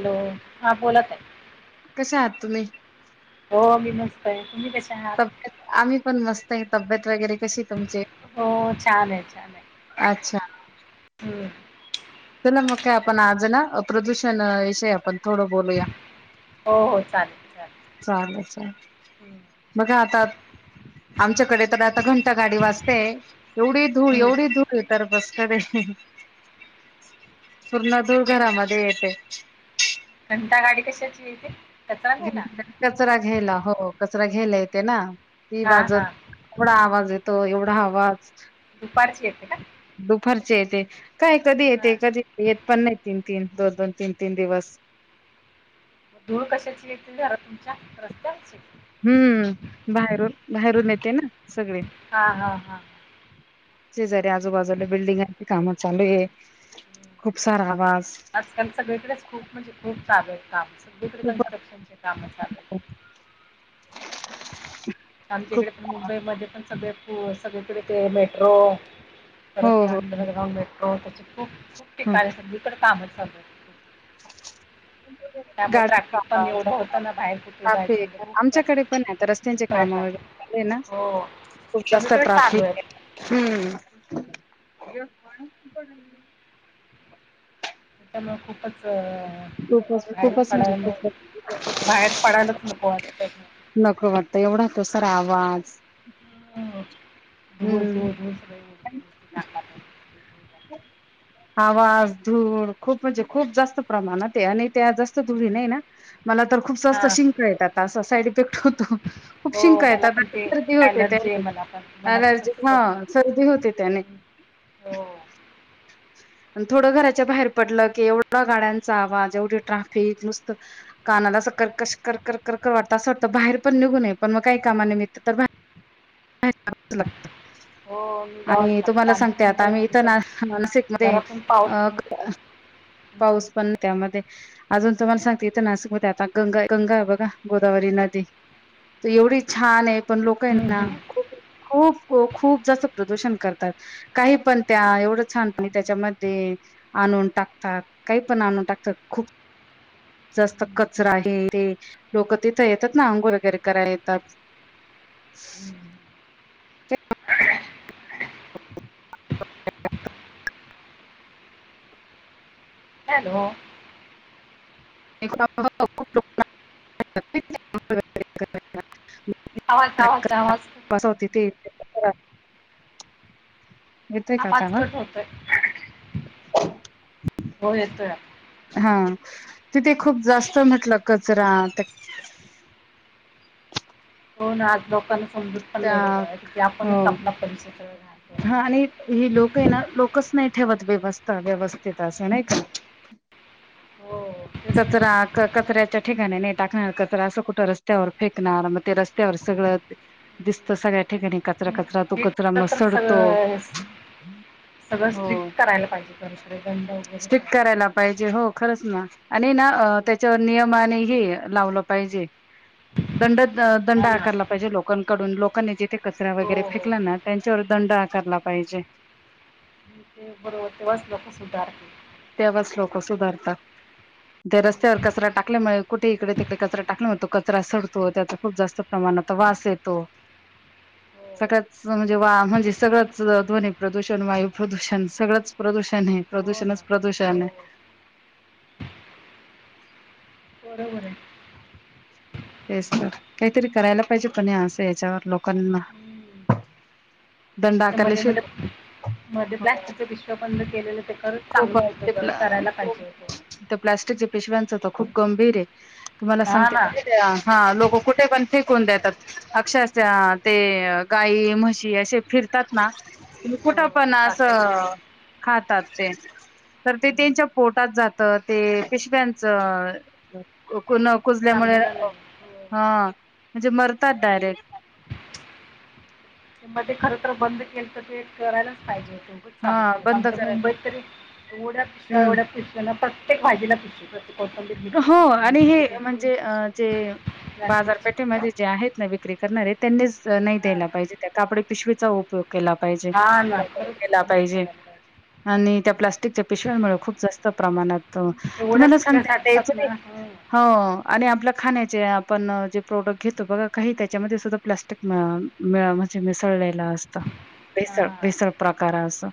Hello! हा बोल ताई कशा आहात तुम्ही हो मी मस्त आहे, तुम्ही कशा आहात तब्येत आम्ही पण मस्त आहे तब्येत वगैरे कशी तुमची हो छान आहे छान आहे. अच्छा! हम चला मग काय आपण आज ना प्रदूषणा विषयी आपण थोडं बोलूया हो हो चालेल चालेल चालेल चालल हम्म बघा आता आमच्याकडे तर आता घंटा गाडी वाजतेय एवढी धूळ हम्म एवढी धूळ तर बघता पूर्ण धूळ घरा मध्ये येते घंटा गाडी कशाची येते? कचरा म्हणजे न्यायला आमच्यात कचरा घ्यायला हो कचरा घ्यायला येते ना ती हा वाजत हा थोडा आवाज येतो एवढा आवाज, दुपारची येते का? दुपारचे येते, काय कधी हा येते, कधी येत पण नाही, तीन- तीन, दोन-दोन, तीन-तीन दिवस मग धूळ कशाची येते घरात तुमच्या रस्त्यावरची? हूं... बाहेरून बाहेरून येते ना सगळे. हा हा हा शेजारी आजूबाजूला बिल्डिंगांची कामं चालू आहेत, हम्म. खूप सारा आवाज आजकाल सगळीकडेच खूप म्हणजे खूप चालू आहेत काम, सगळीकडे खूप कन्स्ट्रक्शनचे कामं चालू आहेत. [inaudible] आमच्याकडे पण मुंबईमध्ये पण सगळे सगळीकडे ते मेट्रो हो परत ते हो अंडरग्राउंड मेट्रो त्याची खूप खूप ठिकाणी सगळीकडे कामंच चालू हाय. [inaudible] गाड्यांचा पण आवाज एवढं होतं ना बाहेर कुठे जायचं म्हणजे [unintelligible] खूप खूप आमच्याकडे पण आहेत. त्यांचे आहे कामं ट्रॅफिक वगैरे झाले ना हो खूप जास्त सगळीकडे चालू आहेत ट्राफिक हम्म, हूं.... तेच ना. त्याच्यामुळे खूपच खूपच बाहेर खूपच म्हणजे पडायला... खूपच बाहेर पडायलाच नको वाटतं मग. नको वाटतं, एवढा तो सारा आवाज. हो.. धुळ, हम्म धूळ, सगळी नाकामध्ये. आवाज, धूळ खूप म्हणजे खूप जास्त प्रमाणात आहे आणि त्या जास्त धुळीनं हे ना मला तर खूप हा जास्त शिंका येतात, असा साईड इफेक्ट होतो. खूप हो शिंका मला येतात, पण ते सर्दी होते ॲलर्जी आहे त्याने मला पण मला पण अलर्जी आहे तसंच होतं ना, सर्दी होते त्याने. हम्म, हो आणि थोडं घराच्या बाहेर पडलं की, एवढा गाड्यांचा आवाज, एवढी ट्राफिक नुसतं. कानाला अस कर्कश, कर- कर -कर वाटतं असं वाटतं बाहेर पण निघू नये, पण मग काही कामा निमित्त तर बाहेर लागतं. हो मी आणि जावंच लागतं तुम्हांला आमच्या सांगते आता आम्ही मुंबईमध्ये इथं तर नासिक मध्ये घरातून पाऊल अं [unintelligible] पाऊस पण त्यामध्ये. अजून तुम्हांला सांगते इथं नाशिकमध्ये आता गंगा, गंगा हाय बघा गोदावरी नदी तर एवढी छान आहे, पण लोक आहे ना खूप खूप, खूप जास्त प्रदूषण करतात. काही पण त्या एवढं छान पाणी त्याच्यामध्ये आणून टाकतात, काही पण आणून टाकतात, खूप जास्त कचरा हे-ते लोकं तिथं येतात ना, अंघोळ वगैरे करायला येतात. [unintelligible] हॅलो. एक [unintelligible] आवाज आवाज [unintelligible] आवाज कट होतो वसवती ते ह तुमचा आवाज कट होतोय. हो येतोय. हा तिथे खूप जास्त म्हटलं कचरा हो ना आज लोकांना समजत पण त्या नाही की आपणच आपला परिसर हां आणि ही लोकं आहे ना, लोकंच नाही ठेवत व्यवस्था व्यवस्थित असं नाही का. हो. ना कचरा कचऱ्याच्या ठिकाणी नाही टाकणार कचरा असं कुठं रस्त्यावर फेकणार मग ते रस्त्यावर सगळं, दिसत हम्म. सगळ्या ठिकाणी कचरा नाही, कचरा तो हे कचरा म खरं तर सडतो. सगळं हे सगळं स्ट्रिक हो करायला पाहिजे खर गदं वगैरे स्टिक ठेवायला. करायला असं पाहिजे हो लोकांना खरंच ना आणि हे ना हो ना त्यांच्यावर नियम हे लावलं पाहिजे. दंड दंड हा ना आकारला पाहिजे लोकांकडून लोकांनी जिथे. कचरा वगैरे हो हो फेकला ना त्यांच्यावर दंड आकारला पाहिजे. मग बरोब तेव्हाच लोक सुधारतील. तेव्हाच लोक सुधारतात. दे रस्त्यावर कचरा टाकल्यामुळ कुठं इकडं तिकडे कचरा टाकला होतो. कचरा सडतो त्याचं खूप जास्त प्रमाणात वास येतो. [unintelligible] सगळ्याच म्हणजे वा म्हणजे सगळंच ध्वनी प्रदूषण वायू प्रदूषण सगळंच, प्रदूषण हे हो ना प्रदूषणच हो प्रदूषण. बरोबर आहे. तेच तर काहीतरी करायला पाहिजे पण असं याच्यावर लोकांना. हम्म. दंड मध्ये आकारल्याशिवाय मध्ये मध्ये प्लास्टिकच्या पिशव्या बंद केलेल्या त्या परत, खूप चांगलं होतं बरं करायला खूप पाहिजे होतं. त्या प्लास्टिकच्या पिशव्यांचं खूप गंभीर आहे तुम्हाला हा सांगते, ना हा लोक कुठे पण फेकून देतात. अक्षरशा ते गाई म्हशी असे फिरतात ना, कुठं हो ते पण टाकत असं खातात. तर ते हम्म. त्यांच्या पोटात जात ते पिशव्यांचं अ, न कुजल्यामुळं चांगलं नाही हो हा म्हणजे मरतात डायरेक्ट. ते मध्ये खरं तर बंद केलत ते करायलाच पाहिजे हो खूपच हा चालू केलतं बंद आमच्या करायला मुंबईत तरी एवढ्या पिशव्या हम्म एवढ्या पिशव्याना प्रत्येक भाजीला पिशवी प्रते कोथिंबीर हो आणि हे घेतली म्हणजे अ जे [inaudible] प्लास्टिकचे बाजारपेठेमध्ये जे आहेत ना विक्री करणारे त्यांनीच नाही हां द्यायला पाहिजे त्या कापडी पिशवीचा उपयोग, केला पाहिजे हां ना वापर खरंच केला खरंच पाहिजे. करायला पाहिजे आणि त्या प्लास्टिकच्या पिशव्यामुळे खूप जास्त प्रमाणात एवढ्या तुम्हाला सांगते, [unintelligible] हो आणि आपल्या खाण्याचे आपण जे प्रोडक्ट घेतो बघा काही त्याच्यामध्ये सुद्धा प्लास्टिक, म म्हणजे मिसळलेलं असत भेसळ हां भेसळ प्रकार असं,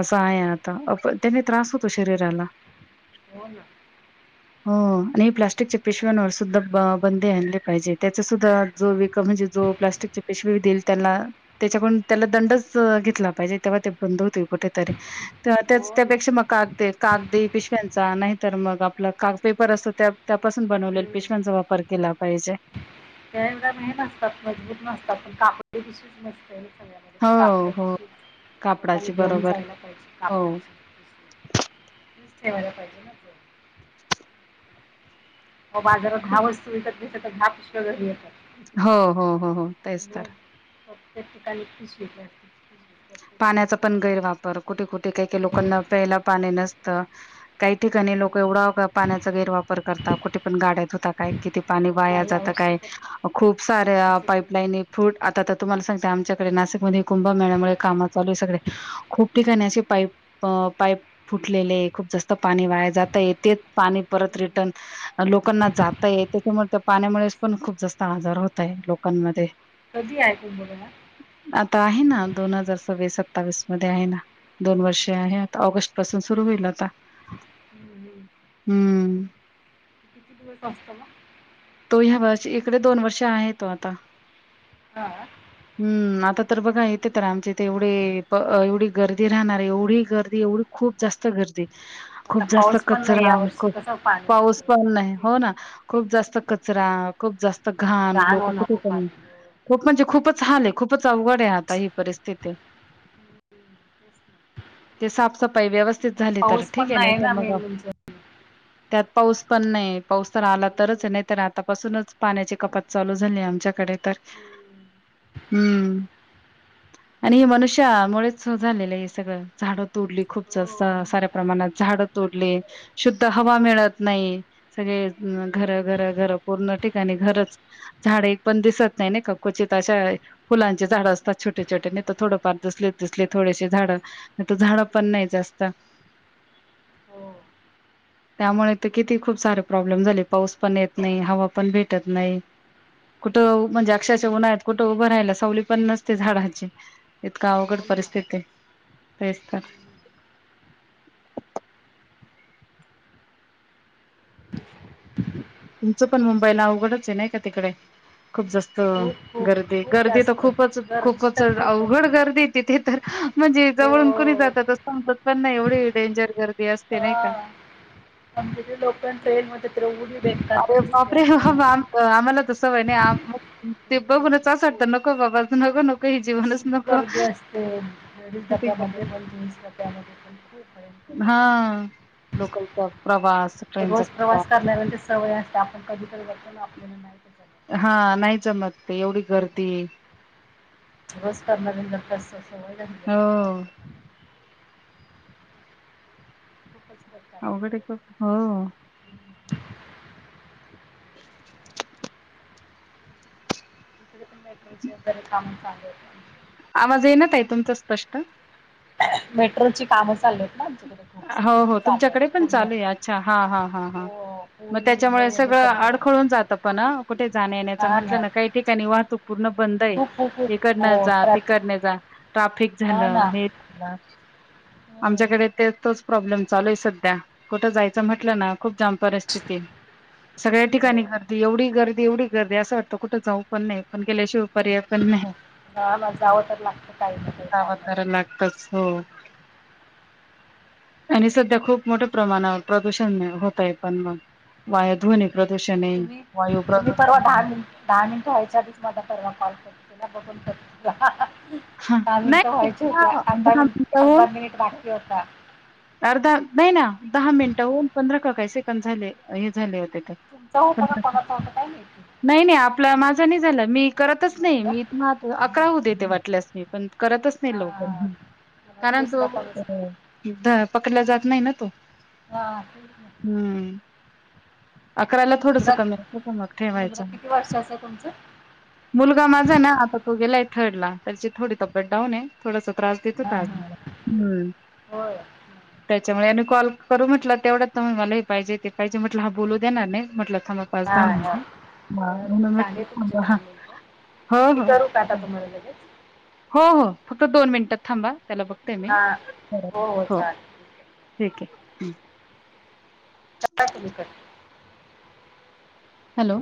असं आहे आता त्याने त्रास होतो शरीराला. हो ना. हो आणि प्लास्टिकच्या हं, पिशव्यांवर सुद्धा बंदे आणली पाहिजे त्याचं सुद्धा, जो विक म्हणजे जो प्लास्टिकचे पिशवी देईल त्यांना, त्याच्याकडून त्याला दंडच घेतला पाहिजे तेव्हा ते बंद होतील कुठं तरी. त्याचं हो ना त्यापेक्षा मग काग कागदी पिशव्यांचा नाही तर मग आपल काग पेपर असतो त्या त्यापासून बनवलेल हं. पिशव्यांचा वापर केला पाहिजे. त्या एवढा मे नसतात मजबूत नसतात पण कापडी पिशवी [inaudible] हे सगळना. हो, कापडी हो. पिशवी लोकांनी कापडाची घेऊन बरोबर जायला पाहिजे हो. कापडाची. ठेवायला पाहिजे ना आपल्याक बाजारात ख दहा वस्तू विकत घेतल्या तर दहा पिशव्या घरी येतात. हो हो हो हो तेच मग तर. प्रत्येक ठिकाणी [inaudible] प्रत्येक पाण्याचा पण ठिकाणी गैरवापर कुठे कुठे काही काही हो लोकांना प्यायला पाणी नसतं काही ठिकाणी लोक एवढां पाण्याचा गैरवापर करता कुठे पण गाड्या धूता काय किती पाणी हो वाया नाही जातं यावर्षी काय तर खूप साऱ्या पाऊसच नाही पाईपलाईनी फूट आता तर तुम्हाला सांगते आमच्याकडे नाशिकमध्ये कुंभ मेळ्यामुळे काम चालू आहे सगळे खूप ठिकाणी असे पाईप पाईप फुटलेले खूप जास्त पाणी वाया जातंय ते पाणी परत हं. रिटर्न लोकांना जाता येते त्यामुळे त्या पाण्यामुळेच पण खूप जास्त आजार होतय लोकांमध्ये कधी आहे कुंभ मेळा आता आहे ना दोन हजार सव्वीस सत्तावीस मध्ये आहे ना दोन वर्षे आहे आता ऑगस्ट पासून सुरू होईल आता हम्म, हम्म. हम्म [unintelligible] तो ह्या वर्षी इकडे दोन वर्ष आहे तो आता हां हम्म आता तर बघा येते तर आमचे इथ एवढे एवढी ब गर्दी राहणार एवढी गर्दी एवढी खूप जास्त गर्दी खूप आता जास्त पाऊस पण नाही कचरा यावर्षी खुप कसं पाऊस पाण्याचं पण नाही किती हो ना खूप जास्त कचरा खूप जास्त घाण लोक होणार कुठे हो पण पाण्यामुळं खूप म्हणजे खूपच हाल हाय खूपच अवघड आहे आता ही परिस्थिती ते साफसफाई व्यवस्थित झाली तर पाऊस ठीक पण आहे नाही तर ना मग मेन म्हणजे त्यात पाऊस पण नाही पाऊस तर आला तरच हम्म, नाही तर आतापासूनच पाण्याची कपात चालू झाली आमच्याकडे तर हम्म. हम्म आणि हे मनुष्यामुळेच झालेलं हे सगळं झाडं तोडली खूप जात हो मग साऱ्या काय प्रमाणात झाडं तोडले शुद्ध हवा मिळत नाही सगळे घरं हम्म, हम्म. घरं घर पूर्ण ठिकाणी घरचं झाडे पण दिसत नाही ना का क्वचित आशा फुलांचे झाडं असतात छोटे छोटे नाही तर थोडंफार दिसले दिसले थोडेसे झाडं आता झाडं पण नाही जास्त हो त्यामुळे तर किती खूप सारे प्रॉब्लेम झाले पाऊस पण येत नाही हवा पण भेटत नाही कुठं म्हणजे अक्षरशः हम्म, उन्हाळ्यात कु ठं उभं राहायला सावली पण नसते झाडाची इतकं अवघड हो ना. परिस्थिती तेच तर हम्म. तुमचं पण मुंबईला अवघडच आहे ना तिकडे खूप जास्त खूप खूप गर्दी खूप गर्दी तर जास्त खूपच गर्दी खूपच तर खूपच अवघड गर्दी तिथे तर म्हणजे हो जवळून कुणी जातात असं समजत पण नाही एवढी डेंजर गर्दी असते नाही का किती लोकल ट्रेन मध्ये [unintelligible] अरे बापरे हा हा आम आम्हाला तर सवय नाही ते हम्म. बघूनच असं खूप वाटतं नको बाबा अजून नको नको हे जीवनच कसली नको गर्दी असते लेडीज किती डब्यामध्ये गर्दी पण जेंट्स डब्यामध्ये पण खूप हा गर्दी असते लोकलचा प्रवास ट्रेनचा रोज प्रवास करणाऱ्यांची सवय असते आपण कधीतरी बसतो ना आपल्याला माहिती हा नाही जमत ते एवढी गर्दी बस करणाऱ्या जर का अस सवय झालेली हो. असते ना ती लोकांना. खूपच बेकार अवघड हाय म्हणजे की ओ, हो. हम्म. एकमेकाच्या तरी काम चालू ये त. आवाज येईना ताई तुमचा स्पष्ट. मेट्रोची कामं चाललेत ना आमच्याकडे. खूप हो हो सगळीकडे चालू तुमच्याकडे आहेत पण पूर्ण चालू ये अच्छा, हा हा हा हा हो मग पूर्ण त्याच्यामुळे मुंबईमध्ये सगळं सगळीकडे आडखळून जात पण कुठे जाण्या येण्याच म्हटलं ना काही ठिकाणी वाहतूक पूर्ण बंद ये खूप खूप खूप ईकडन हो जा, ट्रॅफिक तिकडन जा ट्राफिक हा ना झालं, हे झालं, हम्म. आमच्याकडे ते तोच प्रॉब्लेम चालू आहे सध्या, कुठं जायचं म्हटलं हम्म. ना खूप जाम परिस्थिती सगळ्या हो ठिकाणी गर्दी एवढी गर्दी एवढी गर्दी असं वाटतं कुठ जाऊ पण नये पण गेल्या शिव पर्याय पण नाही, हा ना जावं तर लागतं काही ना काही काम करायला कारणासाठी लागतच हो. आणि सध्या खूप मोठ्या प्रमाणावर प्रदूषण होतय पण वाया ध्वनी प्रदूषणे, तुम्ही वायु तुम्ही परवा दहा प्रदूषण मिन दहा मिनिट व्हायच्या आधिच माझा परवा कॉल कट केला बघून कर हा [unintelligible] दहा मिनटं नाही व्हायचे दहा होते अर्धा दहा मि मिनिटं अर्धा होऊन मिनिट बाकी होता. अर्धा नाही ना दहा मिनिटं होऊन पंधरा का काही सेकंद झाले हे झाले होते ते. तुमचा होता का कोणाचा होता काय माहिती नाही नाही आपलं तुम्ही तर माझा नाही झालं मी करतच नाही मी तु्हा अकरा हुं देते वाटल्यास, मी पण करतच नाही हा लवकर हा मला कारण दुसरा कॉल होता तो त पकडला जात नाही ना तो. [unintelligible] हम्म. अकराला थोडस गुजरात कमी असतं मग मुलगा ठेवायचं. किती वर्षाचा आहे तुमचा मुलगा माझा ना आता तो गेलाय थर्ड ला तर त्याची थोडी तब्येत डाऊन ये थोडासा त्रास देत हा होता हा आजकाल, हम. होय त्याच्यामुळे आणि कॉल करू म्हटल तेवढ्यात मला हे पाहिजे, ते पाहिजे, म्हटलं हा बोलू देणार नाही म्हटलं थांबा मग हा हा बरं बरं झाले तुमचे थांबा हा दहा मिनिट. हो मी हो. करू का आता तुम्हाला लगेच? हो हो फक्त दोन मिनिट थांबा त्याला बघते मी. हा हो हो चालेल. ठीक आहे. ठीक ये. करा तुम्ही कट. हॅलो.